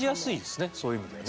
そういう意味ではね。